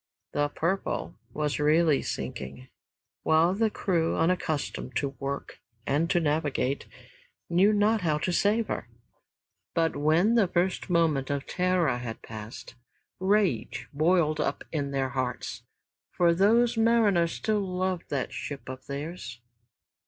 "The Purple" was really sinking, while the crew, unaccustomed to work and to navigate, knew not how to save her. But when the first moment of terror had passed, rage boiled up in their hearts, for those mariners still loved that ship of theirs.